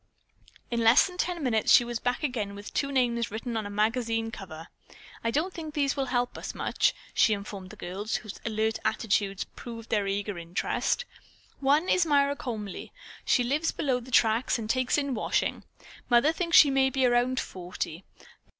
In less than ten minutes she was back again with two names written on a magazine cover. "I don't think these will help us much," she informed the girls, whose alert attitudes proved their eager interest. "One is Myra Comely. She lives below the tracks and takes in washing. Mother thinks she may be about forty.